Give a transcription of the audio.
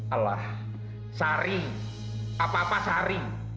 allah sari apa apa sari